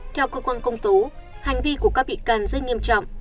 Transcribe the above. theo cơ quan công tố hành vi của các bị can rất nghiêm trọng